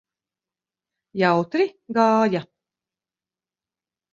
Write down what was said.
Jautri gāja?